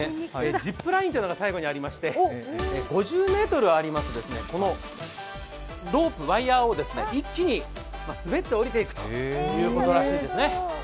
ジップラインというのが最後にありまして、５０ｍあるロープ、ワイヤーを一気に滑っておりていくということらしいですね。